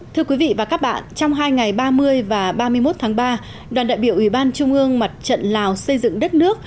thưa quý vị và các bạn trong hai ngày ba mươi và ba mươi một tháng ba đoàn đại biểu ủy ban trung ương mặt trận lào xây dựng đất nước